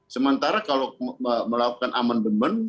sementara kalau melakukan amandemen